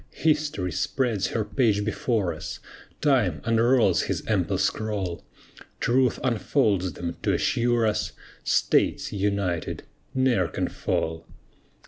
History spreads her page before us, Time unrolls his ample scroll; Truth unfolds them, to assure us, States, united, ne'er can fall.